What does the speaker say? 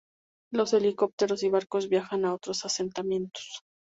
Los helicópteros y barcos viajan a otros asentamientos.